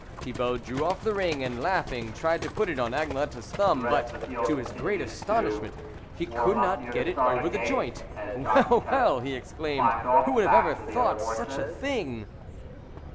Thibault drew off the ring, and laugh ing, tried to put it on Agnelette's thumb ; but, to his great astonishment, he could not get it over the joint. " Well, well," he exclaimed " who would ever have thought such a thing